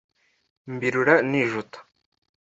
Mbirura nijuta!